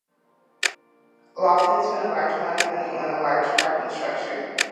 Loftin spent a large amount of money on a large parking structure.